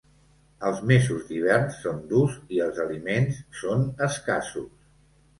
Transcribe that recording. Els mesos d'hivern són durs i els aliments són escassos.